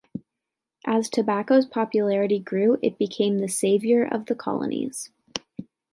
As tobacco's popularity grew, it became the savior of the colonies.